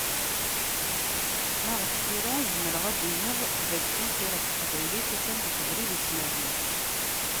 Ma ɣef tira, zemreɣ ad d-iniɣ d akken tira n teqbaylit, a-tt-an deg ubrid usnerni.